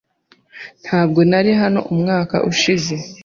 Ntabwo nari hano umwaka ushize.